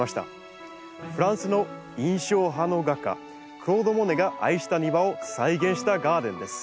フランスの印象派の画家クロード・モネが愛した庭を再現したガーデンです。